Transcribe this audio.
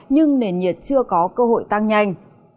nhưng nền nhiệt chưa có cơ hội tăng nhanh